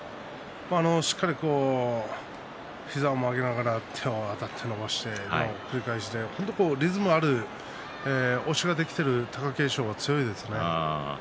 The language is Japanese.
しっかり膝を曲げながら手をあたって伸ばして本当にリズムのある押しができている貴景勝は強いですね。